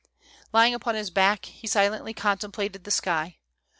"Lying upon his back, he silently contemplated the sky.